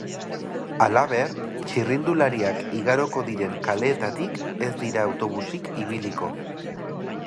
Halaber, txirrindulariak igaroko diren kaleetatik ez dira autobusik ibiliko.